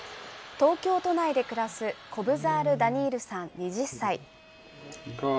東京都内で暮らすコブザール・ダニールさん２０歳。